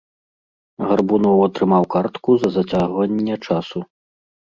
Гарбуноў атрымаў картку за зацягванне часу.